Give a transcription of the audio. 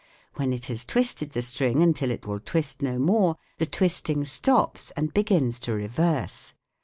When it has twisted the string until it will twist no more, the twisting stops and begins to reverse.